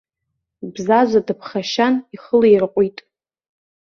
Бзаза дыԥхашьан ихы лаирҟәит.